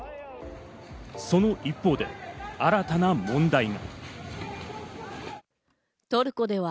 その一方で、新たな問題が。